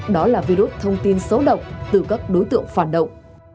đó là virus thông tin xấu độc từ các đối tượng phản động